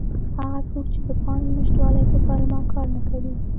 هغه څوک چې د پانګې نشتوالي په پلمه کار نه کوي.